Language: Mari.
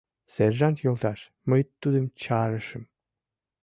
— Сержант йолташ, мый тудым чарышым.